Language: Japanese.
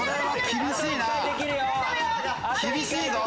厳しいぞ！